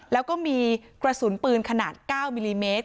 แล้วก็มีกระสุนปืนขนาด๙มิลลิเมตร